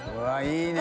Δいいね！